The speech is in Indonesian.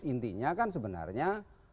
intinya kan sebenarnya